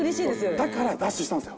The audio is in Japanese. だからダッシュしたんすよ。